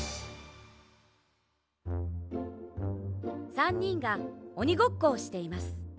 ３にんがおにごっこをしています